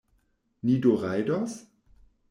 Ni do rajdos?